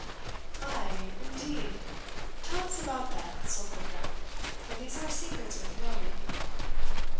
"Ay, indeed! tell us about that," said Oldbuck, "for these are secrets worth knowing."